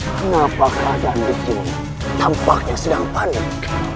kenapa keadaan di sini tampaknya sedang panik